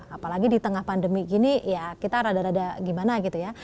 apalagi di tengah pandemi gini ya kita rada rada gimana gitu ya